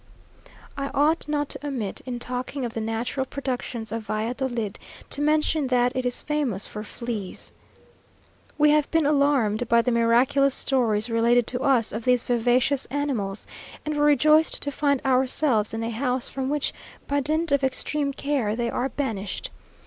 I ought not to omit, in talking of the natural productions of Valladolid, to mention that it is famous for fleas. We had been alarmed by the miraculous stories related to us of these vivacious animals, and were rejoiced to find ourselves in a house, from which, by dint of extreme care, they are banished.